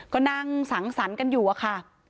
ก็นั่งสังสรรค์กันอยู่อะค่ะ